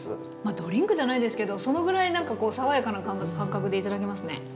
ドリンクじゃないですけどそのぐらいなんか爽やかな感覚で頂けますね。